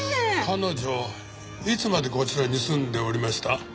彼女いつまでこちらに住んでおりました？